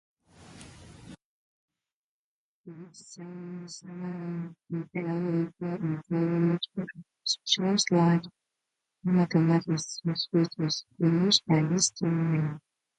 The exams I am preparing for include subjects like mathematics, physics, English, and history.